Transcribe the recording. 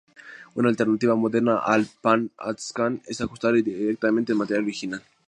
Una alternativa moderna al "pan and scan" es ajustar directamente el material original.